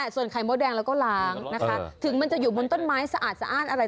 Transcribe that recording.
ส่วนไข่มดแดงเราก็ล้างนะคะถึงมันจะอยู่บนต้นไม้สะอาดสะอ้านอะไร